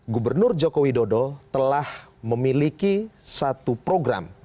gubernur joko widodo telah memiliki satu program